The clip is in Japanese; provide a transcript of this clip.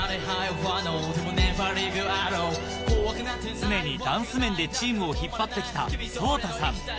常にダンス面でチームを引っ張って来た ＳＯＴＡ さん